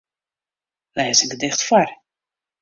Lês in gedicht foar.